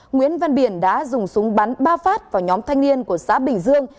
nguyễn văn biển đã dùng súng bắn ba phát vào nhóm thanh niên của xã bình dương